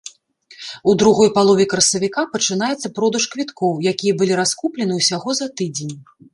У другой палове красавіка пачынаецца продаж квіткоў, якія былі раскуплены ўсяго за тыдзень.